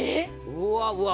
うわうわ